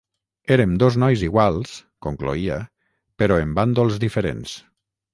Érem dos nois iguals’, concloïa, ‘però en bàndols diferents’.